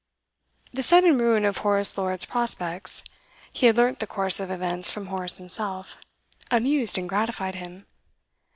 The sudden ruin of Horace Lord's prospects (he had learnt the course of events from Horace himself) amused and gratified him.